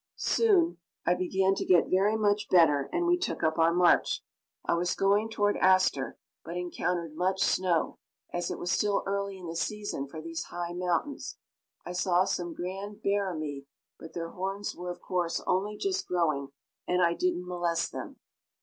Soon I began to get very much better and we took up our march. I was going toward Astor, but encountered much snow, as it was still early in the season for these high mountains. I saw some grand barramigh, but their horns were, of course, only just growing, and I didn't molest them.